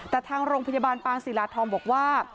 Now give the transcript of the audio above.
แต่ทางโรงพยาบาลปางศิลาทองบอกว่า